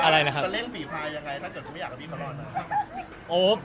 แล้วเราจะเล่นฝีภายยังไงครับถ้าไม่อยากกับพี่ปลอดภัยนะครับ